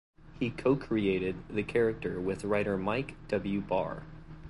He co-created the character with writer Mike W. Barr.